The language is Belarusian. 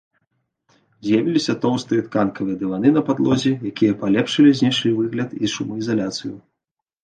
З'явіліся тоўстыя тканкавыя дываны на падлозе, якія палепшылі знешні выгляд і шумаізаляцыю.